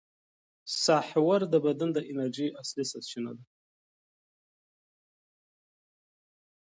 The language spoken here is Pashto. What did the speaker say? سحور د بدن د انرژۍ اصلي سرچینه ده.